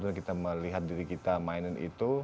dan kita melihat diri kita mainin itu